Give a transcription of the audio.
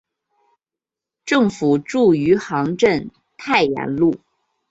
政府驻余杭镇太炎路。